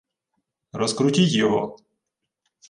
— Розкрутіть його.